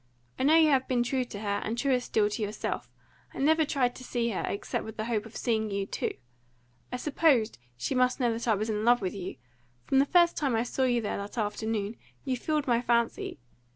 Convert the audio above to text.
I know you have been true to her, and truer still to yourself. I never tried to see her, except with the hope of seeing you too. I supposed she must know that I was in love with you. From the first time I saw you there that afternoon, you filled my fancy.